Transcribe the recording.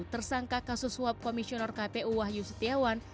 tersangka kasus suap komisioner kpu wahyu setiawan